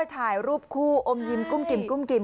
ถ่ายรูปคู่อมยิมกุ้มกิ่มกุ้มกิ่ม